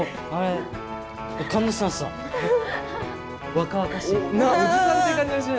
若々しい。